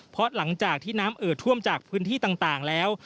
เพราะหลังจากที่น้ำเอ่อท่วมจากพื้นที่ต่างแล้ว